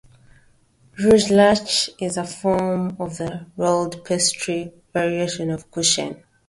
Rugelach is a form of the rolled-pastry variation of Kuchen.